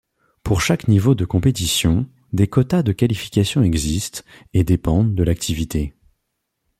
Pour chaque niveau de compétitions, des quotas de qualifications existent et dépendent de l'activité.